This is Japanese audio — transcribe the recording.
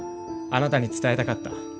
あなたに伝えたかった。